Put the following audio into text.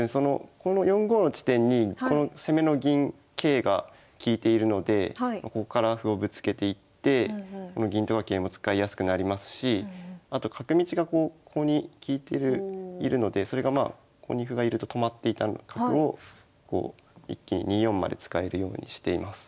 この４五の地点にこの攻めの銀桂が利いているのでこっから歩をぶつけていってこの銀とか桂も使いやすくなりますしあと角道がここに利いているのでそれがまあここに歩がいると止まっていた角を一気に２四まで使えるようにしています。